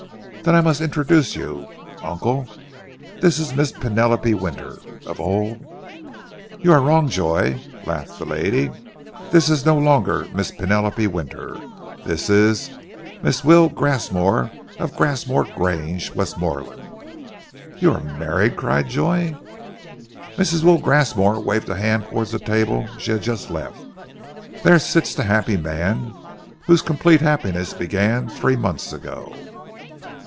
Then I must introduce you. Uncle, this is Miss Penelope Winter, an old " "You are wrong, Joy," laughed the lady. "This is no longer Miss Penelope Winter. This is Mrs. Will Grasmore of Grasmore Grange, Westmorland." "You are married?" cried Joy. Mrs. Will Grasmore waved a hand towards the table she had just left. "There sits the happy man, whose complete happiness began three months ago."